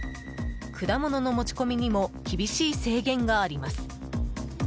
果物の持ち込みにも厳しい制限があります。